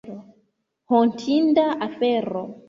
Hontinda afero.